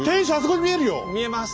見えます。